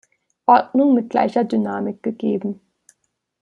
Ordnung mit gleicher Dynamik gegeben.